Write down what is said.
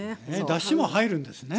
だしも入るんですね。